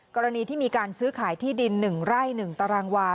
กรณีที่มีการซื้อขายที่ดิน๑ไร่๑ตารางวา